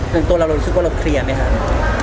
ส่วนตัวเราเรารู้สึกว่าเราเคลียร์ไหมครับ